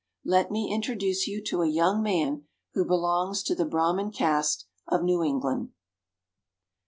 Let me introduce you to a young man who belongs to the Brahmin caste of New England.